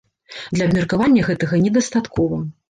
Для абмеркавання гэтага недастаткова.